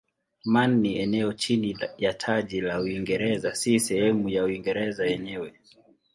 Man ni eneo chini ya taji la Uingereza si sehemu ya Uingereza yenyewe.